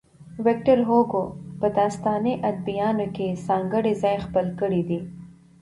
ويکټور هوګو په داستاني ادبياتو کې ځانګړی ځای خپل کړی دی.